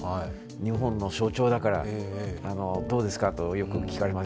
日本の象徴だからどうですかとよく聞かれます。